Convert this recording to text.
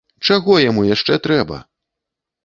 Чаго яму яшчэ трэба?!